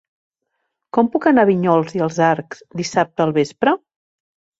Com puc anar a Vinyols i els Arcs dissabte al vespre?